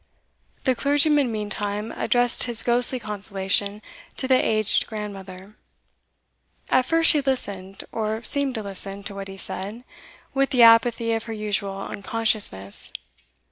The clergyman, meantime, addressed his ghostly consolation to the aged grandmother. At first she listened, or seemed to listen, to what he said, with the apathy of her usual unconsciousness.